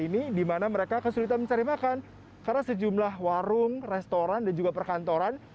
ini dimana mereka kesulitan mencari makan karena sejumlah warung restoran dan juga perkantoran